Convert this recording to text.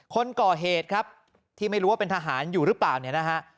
คนก่อเหตุครับที่ไม่รู้ว่าเป็นทหารอยู่หรือเปล่าเนี่ยนะฮะ